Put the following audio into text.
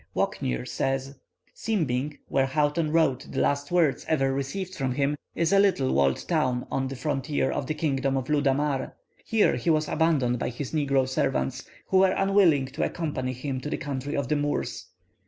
Walknaer says, "Simbing, where Houghton wrote the last words ever received from him, is a little walled town on the frontier of the kingdom of Ludamar. Here he was abandoned by his negro servants, who were unwilling to accompany him to the country of the Moors.